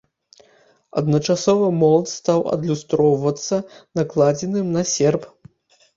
Адначасова молат стаў адлюстроўвацца накладзеным на серп.